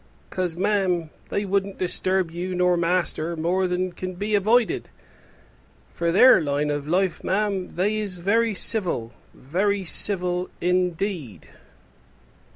'Cause, ma'am, they wouldn't disturb you nor master more than can be avoided. For their line of life, ma'am, they is very civil very civil indeed."